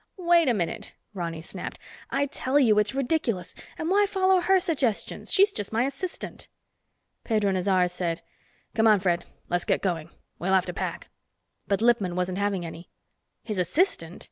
"Wait a minute!" Ronny snapped. "I tell you it's ridiculous. And why follow her suggestions? She's just my assistant." Pedro Nazaré said, "Come on, Fred, let's get going, we'll have to pack." But Lippman wasn't having any. "His assistant?"